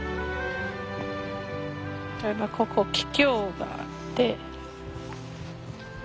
例えばここキキョウがあって。